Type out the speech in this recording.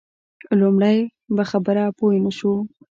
لومړی په خبره پوی نه شو.